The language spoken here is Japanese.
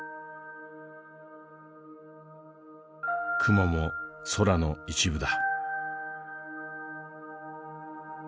雲も空の一部だ。